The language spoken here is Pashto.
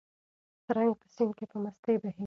ترنګ په سیند کې په مستۍ بهېږي.